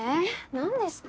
何ですか？